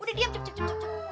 udah diam cukup cukup